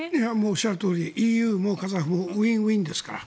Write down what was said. おっしゃるとおりＥＵもカザフもウィンウィンですから。